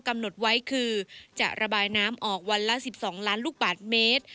กำหนดไว้คือจะระบายน้ำออกวันละ๑๒ล้านลูกบาทเมตร